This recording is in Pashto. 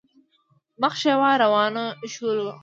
مخ شېوه روان شولو.